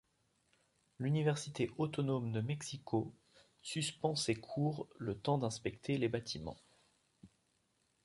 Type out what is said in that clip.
L'Université autonome de Mexico suspend ses cours le temps d'inspecter les bâtiments.